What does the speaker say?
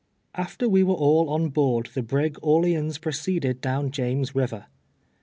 After we were all on board, tlie brig Orleans pro ceeded down James River.